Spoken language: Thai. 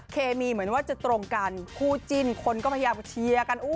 เคมีเหมือนว่าจะตรงกันคู่จิ้นคนก็พยายามเชียร์กัน